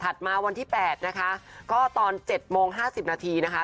มาวันที่๘นะคะก็ตอน๗โมง๕๐นาทีนะคะ